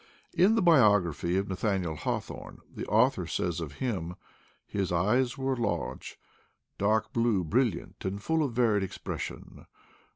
In the biography of Nathaniel Haw thorne, the author says of him: "His eyes were large, dark blue, brilliant, and full of varied ex pression.